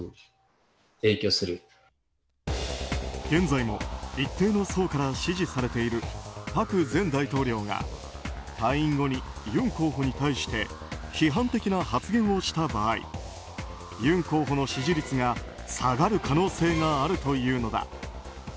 現在も一定の層から支持されている朴前大統領が退院後に、ユン候補に対して批判的な発言をした場合ユン候補の支持率が下がる可能性があるというのだ。